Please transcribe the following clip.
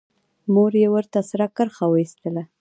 مور يې ورته سره کرښه وايستله.